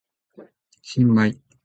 新米